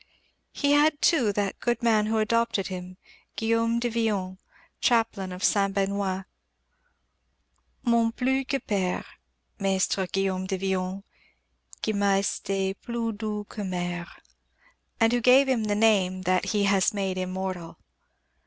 He had, too, that good man who adopted him, Guillaume de Villon, chaplain of Saint Benoist mon plus que père Maistre Guillaume de Villon, Qui m'a esté plus doux que mère; and who gave him the name that he has made immortal.